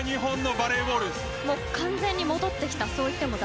完全に戻ってきた。